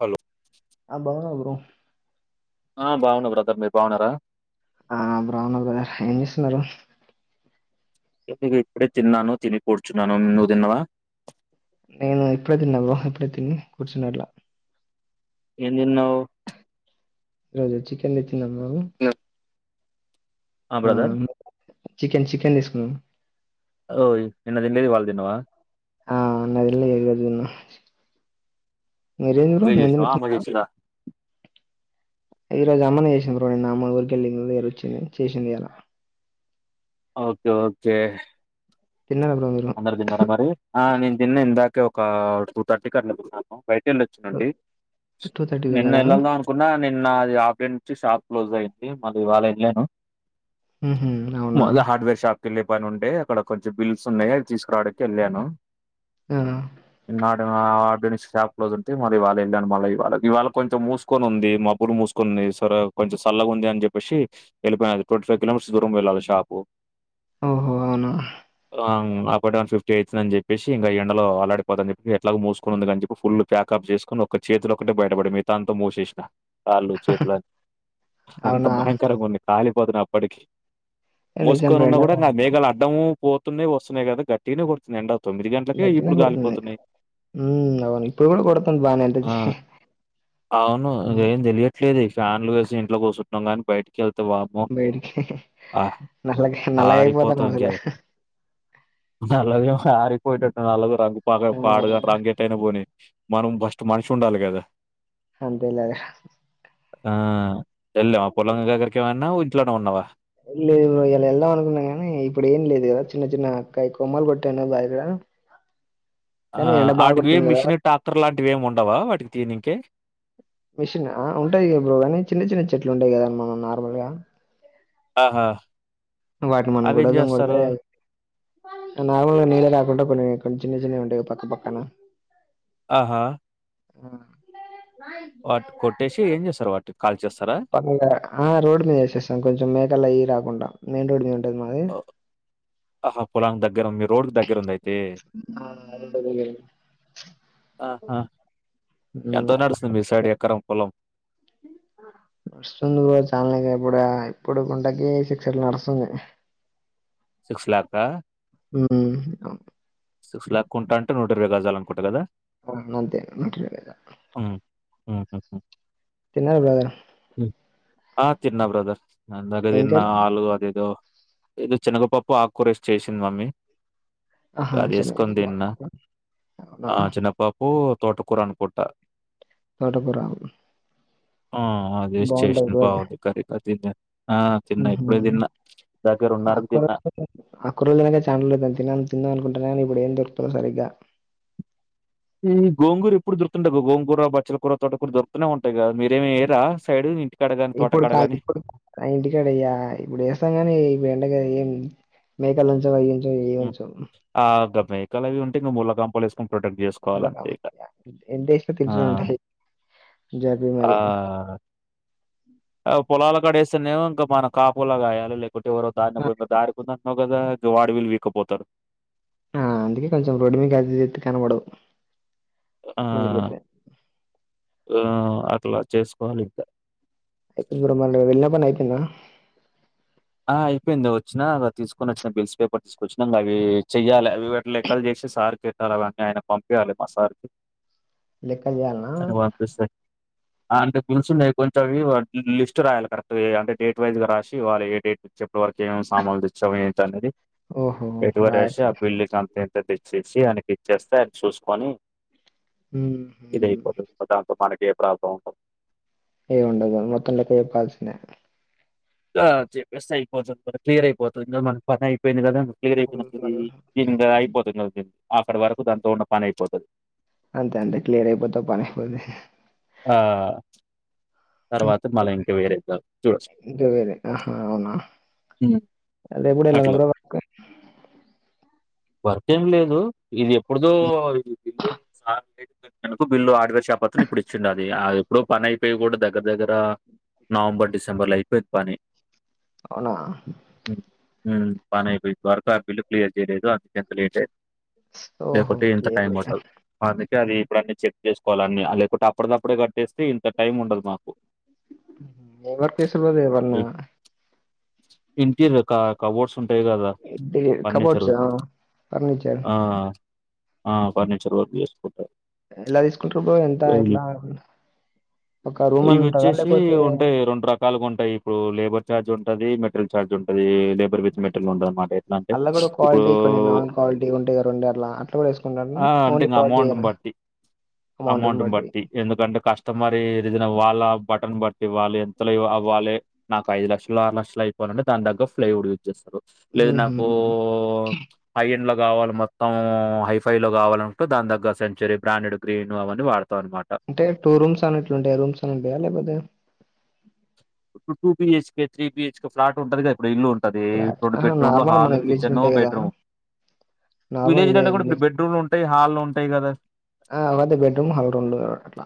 Hello ఆ బావున్నా bro ఆ బాగున్నా బ్రదర్ మీరు బాగున్నారా ఆ బ్రాగున్నా బ్రో ఏం చేస్తున్నారు జస్ట్ ఇగ ఇప్పుడే తిన్నాను తిని కూర్చున్నాను నువ్వు తిన్నవా నేను ఇప్పుడే తిన్నా బ్రో ఎప్పుడే తిని కూర్చున్న అట్లా ఏం తిన్నావ్ నిను చికెన్ తెచ్చిన బ్రో ఆ బ్రదర్ చికెన్ చికెన్ చేసుకున్నా ఓయ్ నిన్న తినలేదు ఇవాళ తిన్నావా ఆ నిన్న తినలేదు ఈరోజు తిన్నా మీరు నువ్వే నిన్ననే చేసినవా అమ్మ తిన్నార చేసిందా ఈ రోజు అమ్మనే చేసింది బ్రో నిన్న అమ్మ ఊరికెళ్ళింది ఈరోజు వచ్చింది చేసింది ఇవాళ ఓకే ఓకే తిన్నారా బ్రో మీరు అందరు తిన్నారా మరి ఆ నేను తిన్న ఇందాకే ఒక టూ థర్టీ కీ అట్లా తిన్నాను బయట వెళ్లొచ్చిన అండి టూ థర్టీ నిన్న తిన్నారా వెళ్ళల్ల అనుకున్నా నాది ఆఫ్ డే నుంచి షాప్ క్లోజ్ అయింది మళ్ళీ ఇవాళ వెళ్ళను మ్మ్ అవునా వెళ్లే పని ఉండే అక్కడ కొంచెం బిల్స్ ఉన్నాయి అది తీసుకురావడానికి వెళ్ళాను ఆ ఆ అక్కనుంచి షాప్ క్లోజ్ ఉంటే మళ్రి ఇవాళ వెళ్ళా మళ్ళీ ఇవాళ ఇవాళ కొంచెం మూసుకని ఉంది మబ్బులు మూసుకుంది సరే కొంచ చల్లగా ఉంది అని చెప్పేసి వెళ్ళిపోయిది ట్వంటీ ఫైవ్ కిలోమీటర్ దూరం వెళ్ళాలి షాపు ఓహో అవునా ఆ ఒకటిన్ ఫిటీ అవుతుందని చెప్పసి ఇంకా ఎండలో ఆలాడిపోతాని చెప్పి ఎట్లా మూసుకుందిని చెప్పి ఫుల్ ప్యాకప్ చేసుకు ఒక చేతులు ఒక్కటే బయటపడి మిగతాంత మూసేసినా కాళ్ళు చేతులన్ని అంత అవునా భయంకరంగా ఉన్నయి కాలిపోతున అప్పటికి నిజం ముసుకొని బ్రో ఉన్నా ఎండ కూడా మేఘాలు అడ్డంము పోతున్నా వస్తున్నాయి కదా గట్టినే కొడుతుంది ఎండ తొమ్మిది గంటలకే గట్టిగా ఇప్పుడు కొడుతుంది కాలిపోతున్నాయి ఉమ్ అవును ఇప్పుడు కూడా కొడుతుంది బాగానే ఆ అవును ఏం తెలియట్లేదు ఫ్యాన్లు వేసి ఇంట్లో కూర్చుంటన్నాం కాగాని బయటికి వెళ్త బయటికి నల్ ఆరిపోతాం నల్లగయిపోతానామ్ అసలే నల్గ హారికిపోయటట్టు నలగ రంగు పా పాడు ఆ రంగ ఎట్యినా పోని మనం ఫస్ట్ మనిషి ఉండాలి కదా అంతేలేరా ఆ వెళ్ళావా పొలం దగ్గరకి ఏమైన్నా ఇంట్లోనే ఉన్నావా లేదు ఇయాలా వెళ్దాం అనుకున్నాం కాగానీ ఇప్పుడు ఏం లేదు కదా చిన్న చిన్న అక్కయ కొమ్మలు కొట్టాను బాయి కడ ఆ ఆ వాటికి ఏం మిషన్ ట్రాక్టర్ లాంటివి ఏమి ఉండవా వాటికి తియ్యనికి మిషన్ ఆ ఉంటాది బ్రో కాగానీ చిన్న చిన్న చెట్లు ఉంటాయి కద మనం నార్మల్ గా ఆహా వాటిని మనం అవేం గొడ్డలి తోని కొడతే జేస్తారు? నార్మల్గా నీళ రాకుండా కొన్ని కొంచెం చిన్న చిన్నగా ఉండే పక్క పక్కన ఆహా ఆ వాటి కోట్టేసి ఏం చేస్తారు వాటి పక్కన ఆ రోడ్డు మీద వేసేస్తాం కొంచెం మేకలు అయి రాకుండా మెయిన్ రోడ్ మీద ఉంట ఆహా పొలాం దగ్గర ఉంది మీ రోడ్ దగ్గర ఉంది అయితే ఆ రోడ్ మీద ఉమ్, ఎంతకు అట్లా నడుస్తుంది మీ సైడ్ ఎకరం పొలం నడుస్తుంది బ్రో చాల ఇప్పుడు ఇప్పుడు గుంటకి సిక్స్ అట్లా నడుస్తుంది సిక్సక్ ఆ ఉ అవును సిక్స్ ల్యాక్ ఉంటా అంటే నూట ఇరవై గాజాల అనుకుంట కదా ఆ అంతే నూట ఇరవై గజాలు ఓహ తిన్న బ్రదర్ ఆ తిన్నా బ్రదర్ ఇందాకే ఏం తిన్న కర్రీ? ఆలు అదేదో ఏదో చన్నగపప్పు ఆకుకూరేస్ చేసింది మమ్మీ ఆహా! కాదుసుకొని శనగపప్పు దిన్న ఆకుకూర. అవునా! ఆ చనగపప్పు తోటకూర అనుకుంట తోటకూర ఆ అదే వేసి బావుంటది చేసింది కూర. బాగుంది కర్రీ ఆ తిన్నా ఇప్పుడే తిన్నా దగ్గర ఉన్న అక్కురల్ అక్కరల్ తినక ఛాన్రోల్ అయితంది తినల్ తిందం అనుకుంటన కని ఇప్పుడు ఎం దొరుక్తలేవ్ సరిగ్గా ఈ గోంగూర ఎప్పుడు దొరుతుంట గోంగూర బచ్చల కూర తోట కూర దొరుకుతనే ఉంటయిగా మీరేం వేయరా సైడ్ ఇంటి ఇప్పుడు కాల్ ఇప్పుడు ఇంటికాడేయ్యా ఇప్పుడు స్తాం కాని ఈ ఎండ మేకలుంచవవి మ్ ఆ గ మేకలు అవి ఉంటే ఇంకా మూల్లకాంపలేస్ ఎంత ఏశిన ఆ! తింటేనే ఉంటాయి జబ్బి మారి అ పొలాల కడేస్తెనేమొ ఇంకా మన కాపులా గాయాలి లైక్ అటు ఎవరో ఆ! దారికుందన్నావ్ కదా వాడువిళ్ళు పిక్కపోతర్ ఆ అందుకే కొంచెం రోడ్ మీది కది ఇది ఏతే కనబడవ్ ముందుకేతే ఆ అట్లా చేసుకోవాలి ఇంకా అపో మరి నువ్ వెళ్లిన పని అయిపోఇంద ఆ అయిపోయింది వచ్చినా తీసుకొని వచ్చినా బిల్స్ పేపర్ తీసుకొచ్చినా ఇంగ అవి చెయ్యలే అవి వాటి లెక్కల్ చేసి స ర్ సార్కి పెట్టాలె అవీ అన్ని ఆయనకు పంపింయలే మా సార్కి లేక్కల్ చేయల్నా అంటే బిల్స్ ఉన్నాయి కొంచెం అవి లిస్ట్ రాయాలే కరెక్ట్ గా అంటే డేట్ వైజ్ గా రాసి వాళ్ళు ఏ డేట్ నుంచి ఇప్పటి వరకు ఏమేమి సామాన్లు తేచ్చాం ఏంటినేది ఓహో! ఎటువట్ రాసి ఆ రాయాల్సింది. బిల్లుకం ఎంత తెచ్చేసి ఆయనకి ఇచ్చేస్తే ఆయన చూసుకొని హుహు. ఇదైపోతది ఇంకా దాంతో మనకేం ప్రబ్లం ఉండద్ ఎం ఉండదు మొత్తం లెక్క చేప్పాల్సిందే అ అది చెప్పేస్తే అయిపోతాది క్లియరై పోతది ఇంగ మన పనై అయిపొఇంది కదా ఇంకా క్లియర్ హ్మ్. మరి ఇంగ అయిపోతుంది కద అక్కడ వరకు దాంతో ఉన్న పని అయిపోతది అంతే అండి క్లియర్ అయిపోతే ఓ పని అయిపోతది ఆ హ్మ్. తర్వాత మళ్ళ ఇంక వేరే జాబ్ చూడోచ్ అల్లకూడా [unintelligible] వర్క్ వర్క్ ఎం లేదు ఇది ఎప్పుడిదో ఇది బిల్లు సర్ కట్టెలకు బిల్లు హార్డ్వేర్ షాప్ అతను ఇప్పుడు ఇచ్చిండు అది ఎప్పుడో పని అయిపోయి కూడా దగ్గర దగ్గర నవంబర్ డిసెంబర్ ల అయిపోయింది పని అవునా మ్ పనైపోయి ఇప్పటి వరకు ఆ బిల్లు క్లియర్ చేయలేదు అందుకే అంత లేట్ అయింది ఓహో! లేకుంటే ఇంత క్లియర్ టైమ్ క్లియర్. పట్టదు మార్నింగ్ అది ఇప్పుడన్ని చెక్ చేసుకోవాలన్ని లేకుంటే అప్పటిదప్పుడే కట్ టెస్తే ఇంత టైం ఉండదు మాకు ఏం వర్క్ చేస్తారు బ్రో ఎ ఏమన్నా ఇంటీరియర్ కా కవోర్స్ ఇంటీయర్ కబోడ్స్ ఆ ఫర్నిచర్ ఆ! ఆ ఫర్నిచర్ వర్ చేసుకో ఎల్ల తీసుకుంటారు బ్రో ఎంత ఎట్లా ఒక రూమ్ అన్న ఉంటదా లేపోతే వాళ్ళకు ఉంటాయి ఇప్పుడు లేబర్ చార్జ్ ఉంటది మెటీరియల్ చార్జ్ ఉంటది లేబర్ విత్ మెటీరియల్ ఉంటది మాకు ఎట్లా అంటే అల్ల గూడా ఇప్పుడు క్వాలిటీ కొన్ని నాన్ క్వాలిటీ ఉంటాయి రెండట్ల అట్లా కూడా వేసుకుంటారం ఆ! అంటే ఓన్లీ ఇంగ అమౌంట్‌ని క్వాలిటీఎనా బట్టి. అమౌంట్ ని బట్టి త్త మరి రిజిన వాళ్ళ బటన్ బట్టి వాళు ఎంత ఇవ అవ్వాలె నాకు ఐదు లక్షలు ఆరు లక్షలు అయిపో దాని దగ్గ ఫ్లైడ్ వుడ్ తెచ్చేస్తరు లేదు నాకు హుహు. హైఎండ్ లో కావాలి మొత్తం హైఫై లో కావాలంటే దాని దగ్గ సెంచరీ బ్రాండెడ్ గ్రీన్ అవన్నీ వాడ అంటే టూ రూమ్స్ అన్ని ఎట్లుంటాయి రూమ్స్ లనే ఉంటాయా లేకపోతే ఇప్పుడు టూ బిహె కె త్రీహెచ్ కె ఫ్లాట్ ఉంటంది కద ఇప్పుడు ఇల్లు టది ఫ్లాట్స్ ఆహా బెడ్రూమ్ లో నార్మల్ మన హల్ విలేజ్ కిచన్ ఉంటాయి కదా బెడ్రూమ్ నార్మల్ విలేజ్లలో విలేజ్ కూడా ఇప్పుడు విలేజ్ బెడ్రూమ్లు ఉంటాయి హాల్ల్లో ఉంటాయి కదా ఆ అవ్వని బెడ్రూమ్ హల్ రెండు అట్లా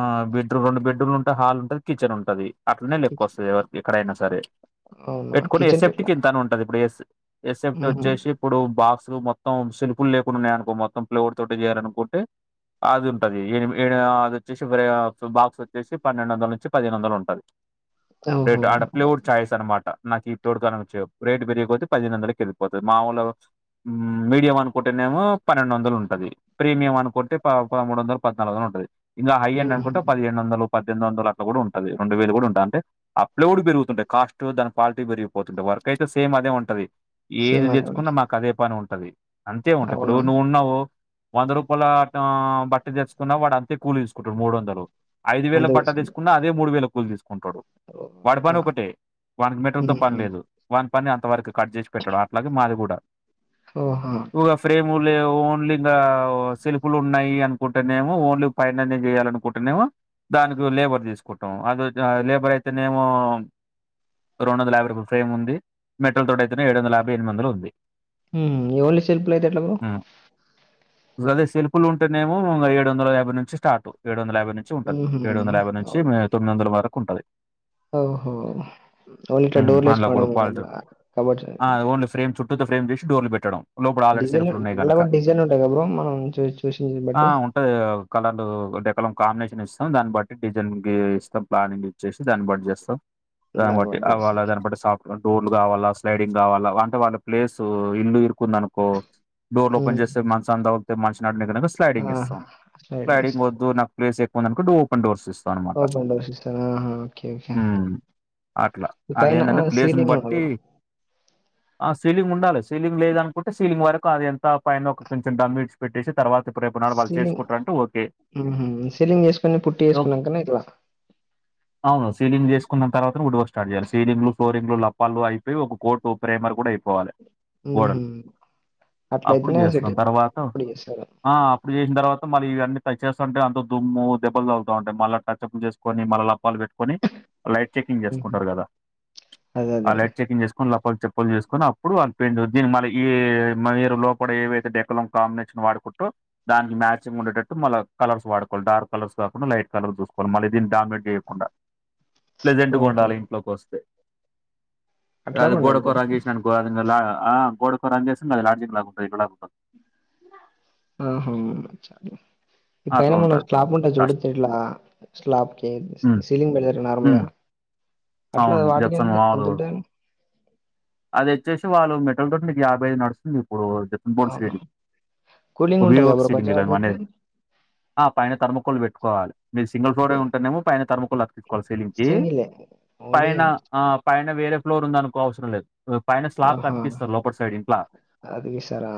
ఆ బెడ్రూమ్ రెండు బెడ్రూమ్లు ఉంటాయి హాల్ ఉంటది కిచెన్ ఉంటది అట్నే లెక్క కిచెన్ వస్తుంది ఎవరికి ఎక్కడైనా సరే అవునా పెట్టుకుని కిచెన్ కి ఎస్ఫ్టి ఎట్లా కింతని ఉంటది ఇప్పుడు ఎస్ ఎస్ఎఫ్ట్ మ్మ్. వచ్చేసి ఇప్పుడు బాక్స్ మొత్తం సల్పులు లేకుంన్నాయనుకో మొత్తం ప్లేఓర్ తోటి చేయాలనుకుంటే అది ఉంటది ఏ ఏ అది వచ్చేసి బాక్స్ వచ్చేసి పన్నెండు వందల నుంచి పదిహేను వందలు ఉంటది ఓహో రేట్ ఆడ ప్లేవుడ్ చాయస్ అనమాట నాకు ఈప్లోడ్ కాని వచ్చ రేట్ పెరిగికపోతే పదేను వందలకి వెలిపోతది మాములు మీడియం అనుకుంటేనేమో పన్నెండు వందలు ఉంటది ప్రీమియం అనుకుంటె పదమూడు వందలు పద్నాలుగు వందలు ఉంటది ఇంగా హై ఎండ్ మ్మ్. అనుకుంటే పదిహేను వందలు పద్దెనిమిది వందలు అట్లా కూడా ఉంటది రెండు వేలు కూడా ఉం అంటే అప్లడ్ పెరుగుతుంటాయి కాస్ట్ దాని క్వాలిటీ పెరిగిపోతుంటాయి వర్క్ అయితే సేమ్ అదే ఉంటది ఏది సేమ్ అదే తెచ్చుకున్నా ఉందా మాకు అదే పని ఉంటది అంతే ఉంట ఇప్పుడు అవునా నువ్వున్నావు వంద రూపాయల బట్టి తెచ్చుకున్న వాడు అంతే కూలి తీసుకుంటాడు మూడు వందలు ఐదు వేల అంతే బట్ట తీసుకుంటా తీసుకున్నా అదే మూడు వేల కూలి తీసుకు ఉంటడు ఓ, వాడి పని అవునా ఒకటే వానికి మెటల్ తో పని మ్మ్. లేదు వా పని అంత వరకు కట్ చేసి పెట్టడు అట్లాగే మాది కూడా ఓహో ఇగ ఓన్లీ ఇంకా సెల్ఫలు ఉన్నాయి అనుకుంటునేమో ఓన్లీ పైననే చేయాలి అనుకుంటునేమో దానికి లేబర్ తీసుకుంటాం అది లేబర్ అయితేనేమో రెండు వందల యాభై రూపాయ ఫేమ్ ఉంది మెటల్ తోట అయితేనే ఏడు వందల యాభై ఎనిమి వందలు ఉంది ఈ ఓన్లీ సెల్పుల అయితే ఎట్లాబొ అదే సెల్ఫలు ఉంటేనేమో ఏడు వందల యాభై నుంచి స్టార్ట్ ఏడు వందల యాభై నుంచి ఉంటది ఏడు మ్మ్. వందల యాభై నుంచి అవునా తొమ్మిది వందల వరకు ఉంటది ఓహో ఓన్లీ ఇట్ట డోర్ల్ అందులో కూడా ఏసుకోవటమే క్వాలిటీ కప్బోర్డ్స్ ఆ! ఓన్లీ ఫ్రేమ్ చుట్టూతో ఫ్రేమ్ చేసి డోర్లు పెట్టడం లోపల ఆల్రెడీ సెల్ఫ్లు ఉన్నాయి అలా గనుక కూడా డిజైన్ ఉంటాయి కదా బ్రో మనం చూ చూసిన ఆ బట్టి ఉంటది కలర్లు డెకలం కాంబినేషన్ ఇస్తాం దాన్ని బట్టి డిజైన్ ఇస్తాం ప్లానింగ్ ఇచ్చేసి దాన్ని బట్టి చేస్తాం దాన్ని బట్టి వాళ్ళు అదేన్నకుంట సాప్ట్ బన్ రోడ్లు కావాలా స్లైడింగ్ కావాలా అంట వాళ్ళ ప్లేస్ ఇల్లు కుందనుకో డోర్లు ఓపెన్ చేస్తారు చేస్తే మంచ్చానికి తగులుతాయి మనిషి దానిమీద స్లైడింగ్ ఇస్తం స్లైడింగ్ వద్దు నాకు ప్లేస్ ఎక్కుందనుకో ఓపన్ డోర్స్ ఇస్తాం అన్నమాట. ఓపేన్ డోర్స్ ఇస్తారా హ ఓకే ఓకే హ్మ్. అట్లా ఇది పైన అదేందంటే ప్లేసుని సీలింగ్ బట్టి ఉండదు, ఆ సీలింగ్ ఉండాలి సీలింగ్ లేదనుకుంటే సీలింగ్ వరకు అది ఎంత పైన ఒక కొంచెం డమ్ ఇడ్సి పెట్టేసి తర్వా సీలింగ్ ఉహూ సీలింగ్ చేసుకొని పుట్టి ఓ ఎసుకున్నాంకనే ఇట్లా సీలింగ్ చేసుకున్న తర్వాత డోర్స్ స్టార్ట్ చేయాలి సీలింగ్ లు ఫ్లోరింగ్ లప్పాలు అయిపోయి ఒక కోట్టు ప్రేమర్ కూడా అయిపోవాలి గోడలు హుహు. అప్పుడు అట్లయితేనే సెట్ చేస్తాం తర్వాత అప్పుడు చేస్తారు. ఆ అప్పుడు చేసిన తర్వాత మళ్లీ ఇవన్నీ టచ్ చేస్తుంటే అంత దుమ్ము దెబ్లు తాగులుతాంటాయ్ మళ్ళ టచ్అప్లు చేసుకొని మళ్ళా పాలు పెట్టుకొని లైట్ చెకింగ్ హుహు. చేసుకుంటారు కదా అదే. ఆ అదే. లైట్ చెకింగ్ చేసుకొని లప్పాలు చెప్పులు చేసుకొని అప్పుడు వాళ్ల పెడ్ దీని మళ్ ఈ ఏ లోపడ ఏవైతే డెకోలం కాంబినేషన్ వాడుకుంటూ దానికి మ్యాచింగ్ ఉండేటట్టు మళ్ల కలర్స్ వాడుకొంటారు కలర్ గాకుండా లైట్ కలర్ చూసుకోలి మళ్లీ దీన్ని డామినేట్ జేయకుండా ప్ర్లెజెంట్గా ఓహో! ఉండాలి ఇంట్లో కోస్తే అట్లా అది కూడా గోడకో బ్రో. రగేష్ అనుకో అదిగా లాగా ఆ గోడకో రంగ్గేస్తే ఇగ అది లార్జింగ్ లాగుంటుంది ఇల్లులా ఉంటున్ ఉమ్మ్ హు ఇ పైన అట్లా మనం ఉంటది స్లాబ్ ఉంటాది జూడు కాస్ట్ తేట్లా స్లాబ్ కి హ్మ్ సీలింగ్ పెడతారు నార్మల్గా హ్మ్ అట్లా అవును జెప్సన్ వాటికేంత్ ఎంత మాములుగా ఉంటాదని అది ఆచ్చేసి వాళ్లు మెటల్ తోటి నీకు యాభై ఐదు నడుస్తుంది ఇప్పుడు జప్పన్ బోర్డు అవును. స్టేడి కూలింగ్ ఉంటది కదా బ్రో రియోప్సిల్లింగే కొంచెం గదా నువ్వు అట్లుంటే? అనేది ఆ పైన థర్మకోల్ వెట్టుకోవాలే మీది సింగిల్ ఫ్లోర్ కు ఏ ఉంటానేమో పైన థర్మకోల్ అతికించుకోవాలి సిల్లింగ్ కి సింగిలే. ఓన్లీ పైన ఆ పైన పైన వేరే ఫ్లోర్ ఉందనుకో అవసరం లేదు పైన స్లాప్ ఆహా! కథీకిస్తారు లోపట్ సైడ్ ఇంట్ల అది వేసారా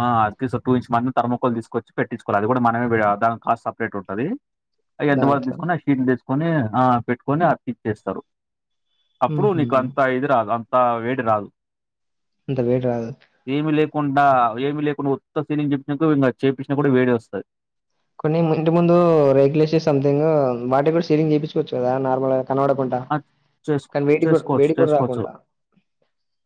ఆ అతికిస్తారు టూ ఇంచి మందం థర్మకోల్ తీసుకొచ్చి పెట్టిచూకోలి అది కూడా మనమే దాని కాస్ట్ సపరేట్ ఉంటంది. ఎంతవరకు దాంతో తీసుకొని ఆ షీట్లు దేచూకొని ఆ పెట్టుకొని అతికిచేస్తారు అప్పుడు హుహు. నీకు అంతా ఇది రాదు అంత వేడి రాదు అంత వేడి రాదా కుండా ఏమి లేకుండా ఉత్త సీలింగ్ జేపిచిరానుకో ఇంగా చేపించినా గూడ వేడే వస్తాది కొన్ని ఇంటి ముందు రేకులేసి సమ్‌థింగ్ వాటి గూడ సీలింగ్ జేపించూకోవచ్చు గదా నార్మల్ గా ఆ చేసుక్ చేసుకోవచ్చు వేడికి కూడా చేసుకోవచ్చు రాకుండా.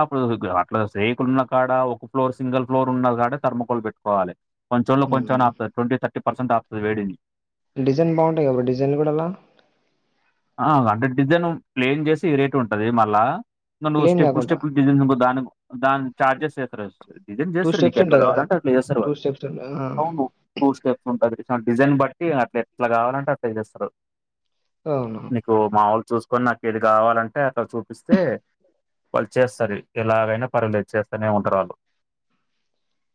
అప్పుడు [unintelligible] ఇట్లా శేక్ కుల్లున్న కాడ ఒక ఫ్లోర్ సింగల్ ఫ్లోర్ ఉన్న కాడ థర్మకోల్ పెట్టుకోవాలే కొంచం లో కొంచెం హ్మ్. అన్న అపుతది ట్వెంటీ థర్టీ పర్సెంట్ అపుతది వేడిని డిజైన్ బాగుంటాయి బ్రో డిజైన్లు గూడ ఆళ్ల ఆ అంటే డిజైన్ ప్లేయిన్ జేస్తే ఈ రేటు ఉంటది మళ్లా నేను ప్లెయిన్ స్టాపుల్ కాకుండా స్టాపుల్ బిజినెస్ నంబర్ దానిము దాని ఛార్జెస్ ఇస్తారు, [unintelligible] డిజైన్ చేస్తారు. నీకు స్టెప్స్ ఎట్లా ఉంటాయి కదా! కావాలంటే అట్లా చేస్తారు వాళ్లు స్టెప్స్ ఉంటాయి. ఆ! అవును టూ స్టెప్పులు ఉంటాయి [unintelligible] గట్స్ షాన్ డిజైన్ బట్టి అట్లా ఎట్లా కావాలంటే అట్లా జేస్తారు అవును. నీకు మావుల చూస్కొని నాకు ఏది కావాలంటే అక్కడ చూపిస్తే వాళ్లు చేస్తారు ఏ ఎలాగైనా పర్లేదు చేస్తానే ఉంటారు వాళ్లు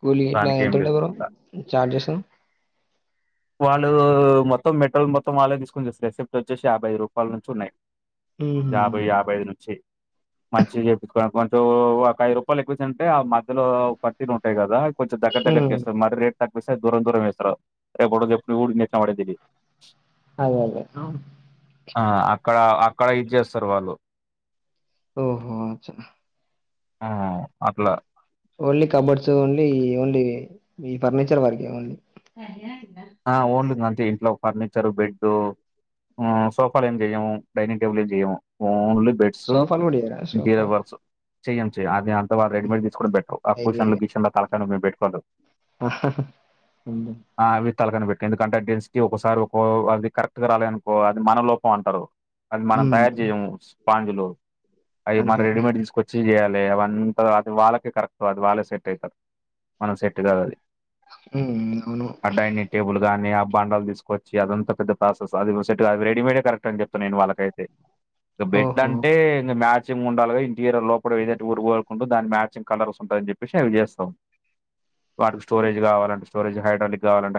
కూలీ ఇట్లా ఎంత ఉంటది బ్రో ఛార్జెస్ వాళ్లు మొత్తం మెట్టల్ మొత్తం వల్లే తీస్కొని జేస్తారు ఎక్సెప్ట్ వోచ్చేసి యాభై ఐదు రూపాయలు నుంచి ఉన్నాయి హుహు. యాభై యాభై ఐదు నుంచి మంచిగ ఏపించుకోవాలనుకున్ సో ఒక ఐదు రూపాలు ఎక్కువ ఇచ్చినదంటే ఆ మధ్యలో ఒక పట్టీలు ఉంటాయి గదా అవి కొంచెం దగ్గర్క్ దగ్గర్క్ హ్మ్. చేస్తాం మా దగ్గర రేట్ కట్ మిస్ అవ్తే దూరం దూరం వేస్తారూ అంటే మోడల్ చెప్పుకొని వోడు ఇట్లనే ఏష్నా పడేది ఇది అద్ అదే హా అక్కడ అక్కడ ఇద్ద్ జేస్తారు వాళ్లు ఓహో అచ్చా ఆ అట్లా ఓన్లీ కప్‌బోర్డ్స్ ఓన్లీ ఓన్లీ ఈ ఫర్నిచర్ వరకే ఓన్లీ ఆ ఓన్లీద అంటే ఇంట్లో ఫర్నిచర్ బెడ్డు హా ఓన్లీ సోఫాలు ఏం చేయము డైనింగ్ టేబుల్ ఏం చేయము ఓన్లీ బెడ్సు సోఫాలు కూడా ఇయ్యరా ఇంకేదో సోఫాలు? వర్క్సు చెయ చెయ్య అది అంతళ్ళ రెడీేడ్ తీసుకుొ పెట్టావు ఆ పషన్లు గిషన్ తలకా [unintelligible] మేము పెట్టుకోలేదు ఉంది తలకాన పెట్టి ఎందుకంటే డెన్స్టీ ఒకసారి ఒకో అది కరెక్ట్ గా రాలే అనుకో అది మన లోపం అంటారు అది మనం తయారు ఉమ్ చేయము స్పాంజులు అది మనం అంతే రెడీ మేడ్ తీసుకొచ్చి చేయాలి అంత అది వాళ్ళకే కరక్ట్ అది వాళ్లే సెట్ అయితారు మనకు సెట్టు కాదు అది ఉం అవును గాని ఆ బండలు తీసుకొచ్చి అదంత పెద్ద ప్రాసెస్ అది సెట్ కాదు రెడి మేడ్ కరెక్ట్ అని చెప్తా నేను వాళ్ళకైతే ఇంగ బెడ్ లు ఓహో అంటే ఇంగ మ్యాట్ మ్యాచింగ్ ఉంాలిగా ఇంటీరియర్ లో కూడా ఏద రు కోలుకుు [unintelligible] దా మ్యాచింగ్ కలర్ ఉంటాందని చెప్పసి అవి చేస్తాం వాటికి స్టోరేజ్ కావాలంటే స్టోరేజ్ హైడ్రా లిక్ కావాలం టే హై